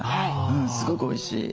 うんすごくおいしい。